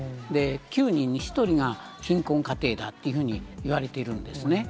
９人に１人が貧困家庭だっていうふうにいわれているんですね。